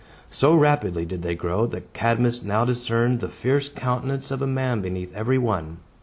So rapidly did they grow, that Cadmus now discerned the fierce countenance of a man beneath every one.